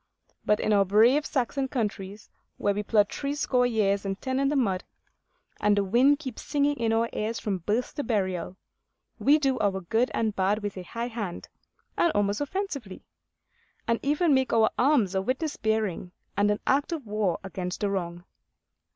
But in our brave Saxon countries, where we plod threescore years and ten in the mud, and the wind keeps singing in our ears from birth to burial, we do our good and bad with a high hand and almost offensively; and make even our alms a witness bearing and an act of war against the wrong.